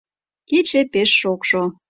Кече пеш шокшо.